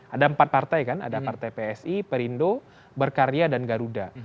ada empat partai kan ada partai psi perindo berkarya dan garuda